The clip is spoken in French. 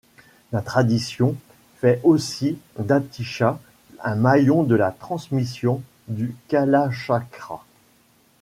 La tradition fait aussi d’Atisha un maillon de la transmission du kalachakra.